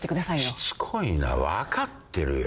しつこいな分かってるよ。